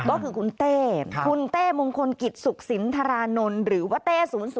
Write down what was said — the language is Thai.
ก็คือคุณเต้คุณเต้มงคลกิจสุขสินทรานนท์หรือว่าเต้๐๐